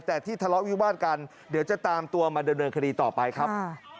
แต่ที่ทะเลาะวิวาดกันเดี๋ยวจะตามตัวมาดำเนินคดีต่อไปครับ